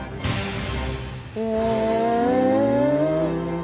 へえ！